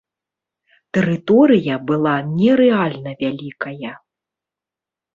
Тэрыторыя была нерэальна вялікая.